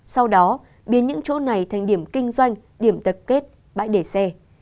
sau đó biến những chỗ này thành điểm kinh doanh điểm tập kết bãi để xe